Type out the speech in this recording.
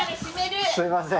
すみません。